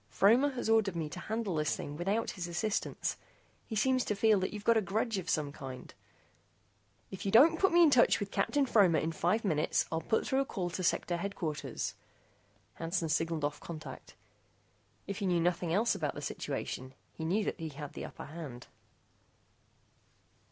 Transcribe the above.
Fromer has ordered me to handle this thing without his assistance. He seems to feel that you have a grudge of some kind " "If you don't put me in touch with Captain Fromer in five minutes, I'll put through a call to Sector Headquarters." Hansen signaled off contact. If he knew nothing else about the situation, he knew that he had the upper hand.